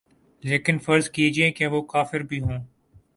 لیکن فرض کیجیے کہ وہ کافر بھی ہوں۔